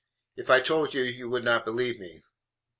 If I told you you would not believe me.